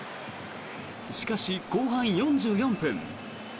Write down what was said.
しかし後半４４分。